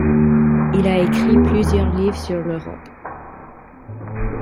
Il a écrit plusieurs livres sur l'Europe.